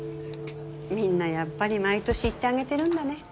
みんなやっぱり毎年行ってあげてるんだね